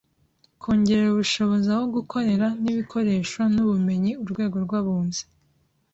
Kongerera ubushobozi aho gukorera n ibikoresho n ubumenyi urwego rw abunzi